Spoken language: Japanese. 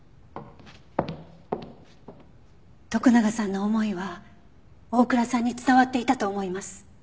徳永さんの思いは大倉さんに伝わっていたと思います。